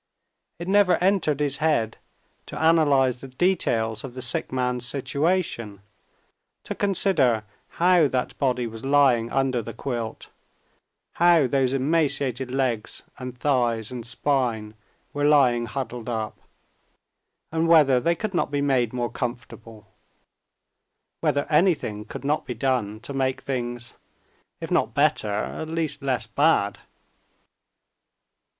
It never entered his head to analyze the details of the sick man's situation, to consider how that body was lying under the quilt, how those emaciated legs and thighs and spine were lying huddled up, and whether they could not be made more comfortable, whether anything could not be done to make things, if not better, at least less bad.